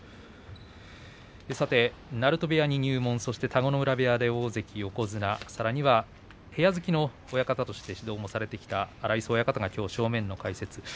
鳴戸部屋に入門、そして田子ノ浦部屋で大関横綱さらには部屋付きの親方として指導もされてきた荒磯親方がきょう正面の解説です。